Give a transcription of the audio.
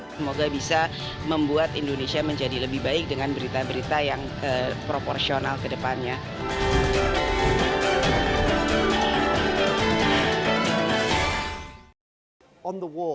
semoga bisa membuat indonesia menjadi lebih baik dengan berita berita yang proporsional ke depannya